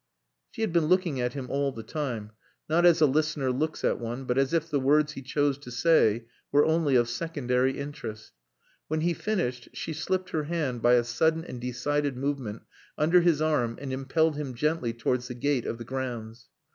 She had been looking at him all the time, not as a listener looks at one, but as if the words he chose to say were only of secondary interest. When he finished she slipped her hand, by a sudden and decided movement, under his arm and impelled him gently towards the gate of the grounds.